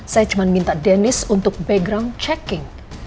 saya cuma minta denis untuk background checking